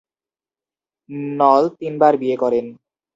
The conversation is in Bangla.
নল তিনবার বিয়ে করেন।